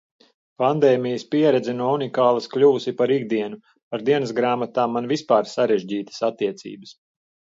Pandēmijas pieredze no unikālas kļuvusi par ikdienu. Ar dienasgrāmatām man vispār sarežģītas attiecības.